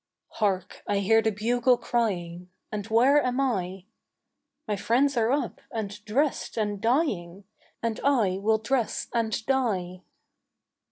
"Hark, I heard the bugle crying, And where am I? My friends are up and dressed and dying, And I will dress and die."